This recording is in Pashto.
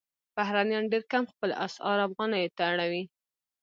بهرنیان ډېر کم خپل اسعار افغانیو ته اړوي.